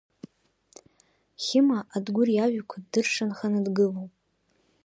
Хьыма Адгәыр иажәақәа ддыршанханы дгылоуп.